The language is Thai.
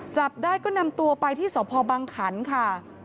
จับได้ก็นำตัวไปที่สพบังขันค่ะ